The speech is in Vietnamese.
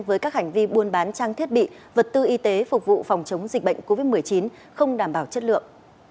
với các hành vi buôn bán trang thiết bị vật tư y tế phục vụ phòng chống dịch bệnh covid một mươi chín không đảm bảo chất lượng